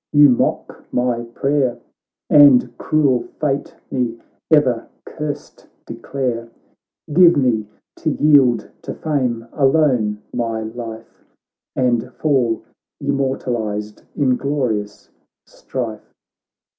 — you mock my prayer And cruel fate me ever cursed declare, Give me, to yield to fame alone my life, And fall immortalized in glorious strife